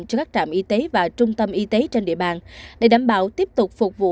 cho các trạm y tế và trung tâm y tế trên địa bàn để đảm bảo tiếp tục phục vụ